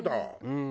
うん。